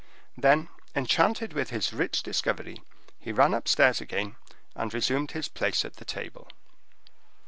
Then, enchanted with his rich discovery, he ran upstairs again, and resumed his place at the table.